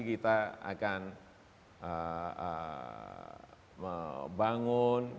kita akan membangun